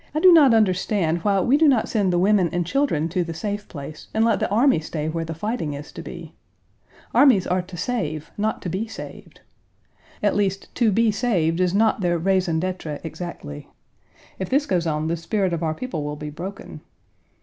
I do not understand why we do not send the women and children to the safe place and let the army stay where the fighting is to be. Armies are to save, not to be saved. At least, to be saved is not their raison d'être exactly. If this goes on the spirit of our people will be broken.